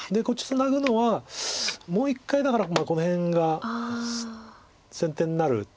ツナぐのはもう一回だからこの辺が先手になる。